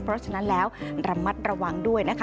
เพราะฉะนั้นแล้วระมัดระวังด้วยนะคะ